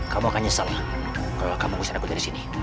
kamu akan nyesal kalau kamu pusing aku dari sini